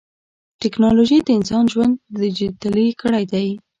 ټکنالوجي د انسان ژوند ډیجیټلي کړی دی.